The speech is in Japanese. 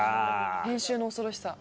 編集の恐ろしさ。